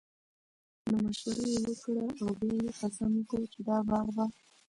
نو مشوره ئي وکړه، او بيا ئي قسم وکړو چې دا باغ به